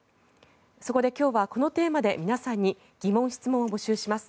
そこで今日はこのテーマで皆さんに疑問・質問を募集します。